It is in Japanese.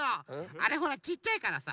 あれほらちっちゃいからさ。